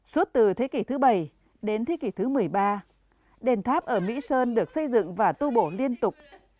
suốt từ thế kỷ thứ bảy đến thế kỷ thứ một mươi ba đền tháp ở mỹ sơn được xây dựng và tu bổ liên tục